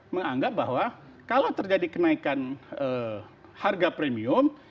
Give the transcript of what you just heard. menganggap bahwa kalau terjadi kenaikan harga premium